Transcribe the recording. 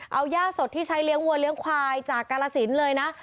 เอาย่าสดที่ใช้เลี้ยงวัวเลี้ยงควายจากกาลสินเลยนะ